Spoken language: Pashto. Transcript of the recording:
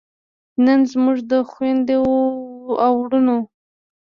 نن زموږ خویندې او وروڼه